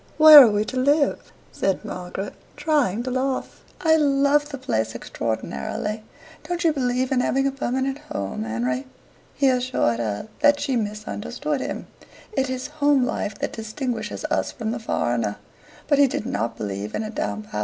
"Where are we to live?" said Margaret, trying to laugh. "I loved the place extraordinarily. Don't you believe in having a permanent home, Henry?" He assured her that she misunderstood him. It is home life that distinguishes us from the foreigner. But he did not believe in a damp home.